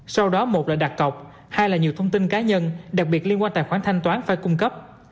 sau đó một là đặt cọc hai là nhiều thông tin cá nhân đặc biệt liên quan tài khoản thanh toán phải cung cấp